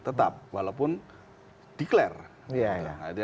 tetap walaupun declare